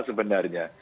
ya sama sebenarnya